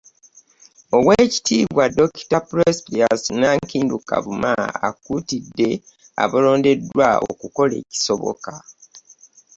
Oweekitiibwa Dokita Prosperous Nankindu Kavuma, akuutidde abalondeddwa okukola ekisoboka